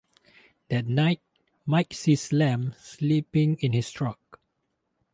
That night, Mike sees Slam sleeping in his truck.